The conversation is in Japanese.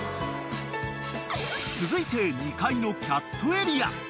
［続いて２階のキャットエリア］